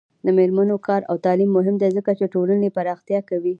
د میرمنو کار او تعلیم مهم دی ځکه چې ټولنې پراختیا کوي.